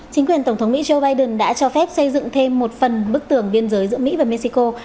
chính quyền tổng thống mỹ joe biden đã cho phép xây dựng thêm một phần bức tường biên giới giữa mỹ và mexico